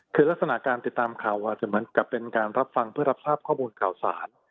คือลักษณะการติดตามข่าวอาจจะเหมือนกับเป็นการรับฟังเพื่อรับทราบข้อมูลข่าวสาร